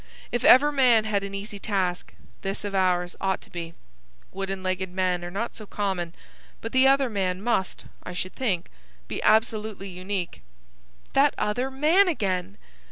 If ever man had an easy task, this of ours ought to be. Wooden legged men are not so common, but the other man must, I should think, be absolutely unique." "That other man again!"